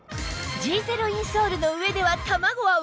Ｇ ゼロインソールの上では卵は割れません！